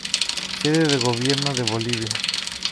Sede de gobierno de Bolivia.